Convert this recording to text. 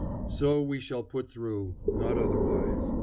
So we shall pull through; not otherwise.